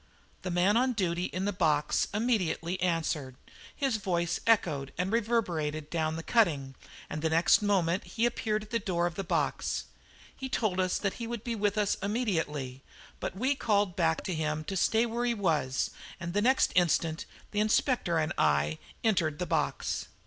The man on duty in the box immediately answered. His voice echoed and reverberated down the cutting, and the next moment he appeared at the door of the box. He told us that he would be with us immediately; but we called back to him to stay where he was, and the next instant the Inspector and I entered the box.